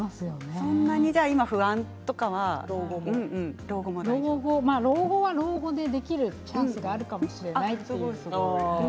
そんなに今、不安とか老後は老後でできるチャンスもあるかもしれない。